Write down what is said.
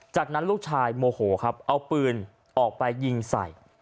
จากนั้นลูกชายโมโหครับเอาปืนออกไปยิงใส่